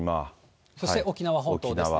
そして沖縄本島ですね。